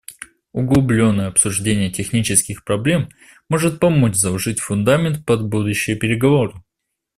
Углубленное обсуждение технических проблем может помочь заложить фундамент под будущие переговоры.